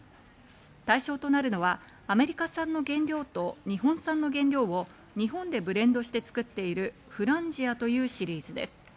対象となるのはアメリカ産の原料と日本産の原料を日本でブレンドして作っているフランジアというシリーズです。